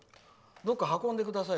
どこか運んでくださいよ。